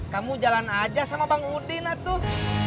kamu jalan aja sama bang udin tuh